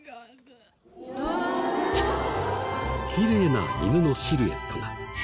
きれいな犬のシルエットが。